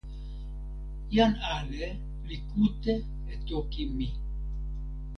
jan ale li kute e toki mi.